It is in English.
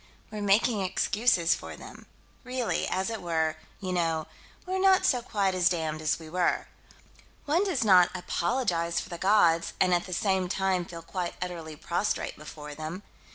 We're making excuses for them. Really as it were you know, we're not quite so damned as we were. One does not apologize for the gods and at the same time feel quite utterly prostrate before them.